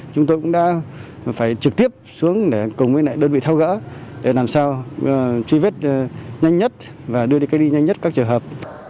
chúng tôi cũng đã phải trực tiếp xuống để cùng với đơn vị thao gỡ để làm sao truy vết nhanh nhất và đưa đi cách ly nhanh nhất các trường hợp